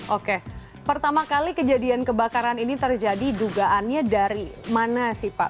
oke pertama kali kejadian kebakaran ini terjadi dugaannya dari mana sih pak